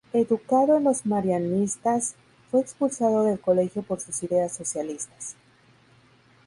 Educado en los marianistas, fue expulsado del colegio por sus ideas socialistas.